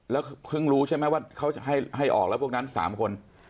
แล้วเพิ่งรู้ใช่ไหมว่าเขาให้ออกแล้วพวกนั้น๓คน